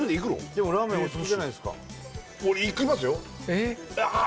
でもラーメンお好きじゃないですかいきますよああ